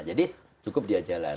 jadi cukup dia jalan